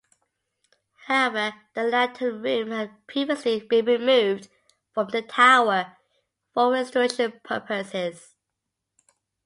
However, the lantern room had previously been removed from the tower, for restoration purposes.